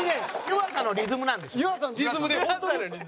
湯浅のリズムなんですね。